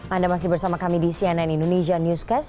anda masih bersama kami di cnn indonesia newscast